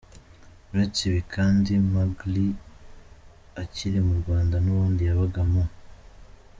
Uretse ibi kandi, Magaly akiri mu Rwanda n’ubundi yabaga mu